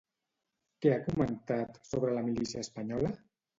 Què ha comentat sobre la milícia espanyola?